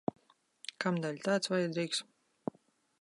Kamdēļ tāds vajadzīgs?